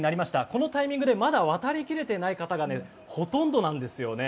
このタイミングでまだ渡り切れていない方がほとんどなんですよね。